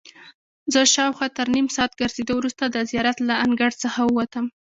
زه شاوخوا تر نیم ساعت ګرځېدو وروسته د زیارت له انګړ څخه ووتم.